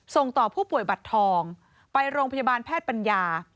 ส่งต่อผู้ป่วยบัตรทองไปโรงพยาบาลแพทย์ปัญญา